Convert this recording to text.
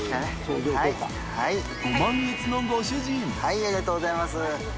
呂ありがとうございます。